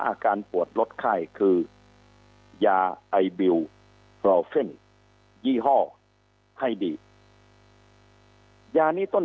อาการปวดลดไข้คือยาไอบิลฟรอเฟ่นยี่ห้อให้ดียานี้ต้น